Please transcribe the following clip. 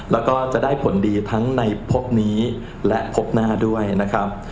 แล้วก็จะได้ผลดีทั้งในพบนี้และพบหน้าด้วยนะครับ